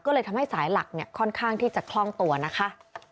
ก็เลยทำให้สายหลักเนี่ยค่อนข้างที่จะคล่องตัวนะคะ